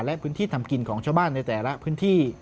และพื้นที่ทำกินของชาวบ้านในแต่ละพื้นที่